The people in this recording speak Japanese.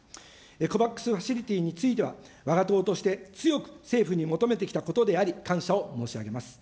ＣＯＶＡＸファシリティーについては、わが党として、強く政府に求めてきたことであり、感謝を申し上げます。